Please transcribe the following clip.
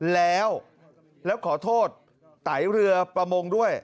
แล้วแล้วขอโทษไตเรือประมงด้วย